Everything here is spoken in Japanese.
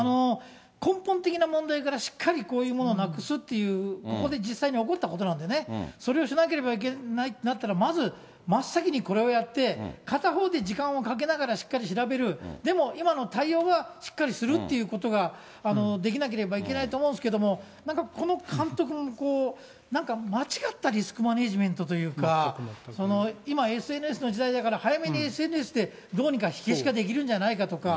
根本的な問題からしっかり、こういうものをなくすっていうことで、実際に起こったことなんでね、それをしなければいけないってなったら、まず、真っ先にこれをやって、片方で時間をかけながら、しっかり調べる、でも、今の対応がしっかりするっていうことができなければいけないと思うんですけども、なんか、この監督、なんか間違ったリスクマネジメントというか、今、ＳＮＳの時代だから、早めにＳＮＳでどうにか火消しができるんじゃないかとか。